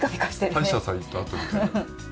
歯医者さん行ったあとみたい。